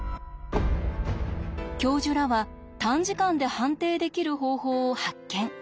教授らは短時間で判定できる方法を発見。